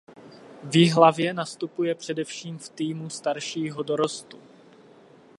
V Jihlavě nastupuje především v týmu staršího dorostu.